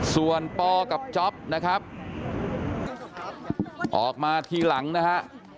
ส่วนปกับจ๊อปนะครับออกมาทีหลังนะฮะ